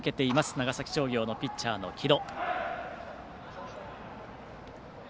長崎商業のピッチャーの城戸。